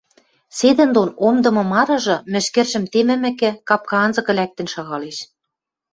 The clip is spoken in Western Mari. Седӹндон омдымы марыжы, мӹшкӹржӹм темӹмӹкӹ, капка анзыкы лӓктӹн шагалеш